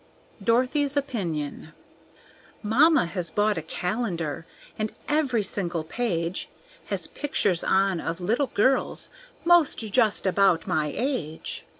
Dorothy's Opinion Mamma has bought a calendar, And every single page Has pictures on of little girls 'Most just about my age.